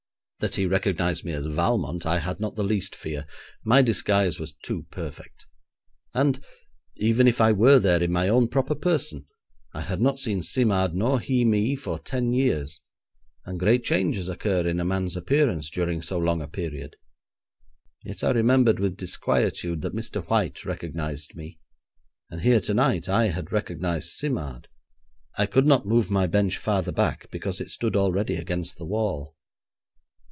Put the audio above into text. That he recognised me as Valmont I had not the least fear; my disguise was too perfect; and, even if I were there in my own proper person, I had not seen Simard, nor he me, for ten years, and great changes occur in a man's appearance during so long a period. Yet I remembered with disquietude that Mr. White recognised me, and here tonight I had recognised Simard. I could not move my bench farther back because it stood already against the wall.